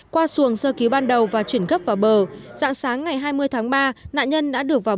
qua xuồng sơ cứu ban đầu và chuyển gấp vào bờ dạng sáng ngày hai mươi tháng ba nạn nhân đã được vào